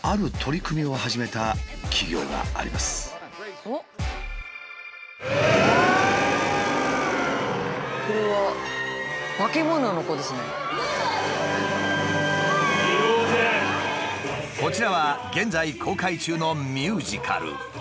こちらは現在公開中のミュージカル。